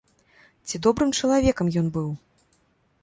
Ці добрым чалавекам ён быў?